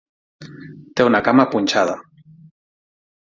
Té una cama punxada.